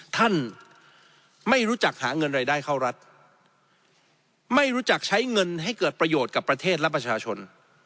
ท่านไม่รู้จักหาเงินรายได้เข้ารัฐไม่รู้จักใช้เงินให้เกิดประโยชน์กับประเทศและประชาชน